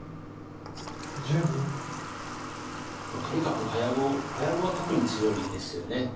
とにかく早碁早碁は特に強いですよね。